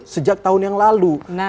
sejak tahun yang lalu